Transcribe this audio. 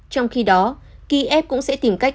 trong khi đó kiev cũng sẽ tìm cách